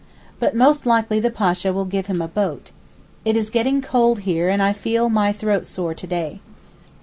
But most likely the Pasha will give him a boat. It is getting cold here and I feel my throat sore to day.